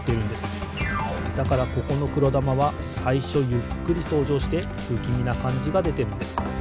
だからここのくろだまはさいしょゆっくりとうじょうしてぶきみなかんじがでてるんです。